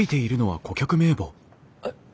えっ。